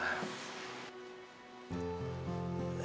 kamu ingat ya